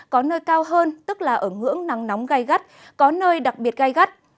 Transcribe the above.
có nơi cao hơn tức là ở ngưỡng nắng nóng gai gắt có nơi đặc biệt gai gắt